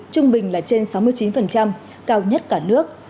trung bình là trên sáu mươi chín cao nhất cả nước